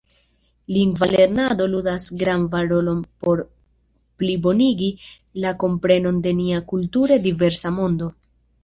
Lingva lernado ludas gravan rolon por plibonigi la komprenon de nia kulture diversa mondo.